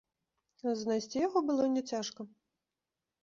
Знайсці яго было не цяжка.